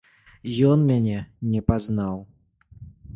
Ён мяне не пазнаў.